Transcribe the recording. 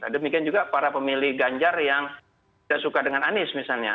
demikian juga para pemilih ganjar yang tidak suka dengan anies misalnya